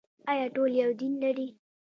آیا ټول یو دین لري؟